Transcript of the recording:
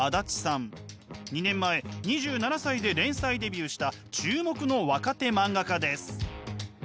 ２年前２７歳で連載デビューした注目の若手漫画家です。